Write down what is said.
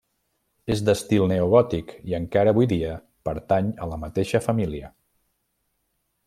És d'estil neogòtic i encara avui dia pertany a la mateixa família.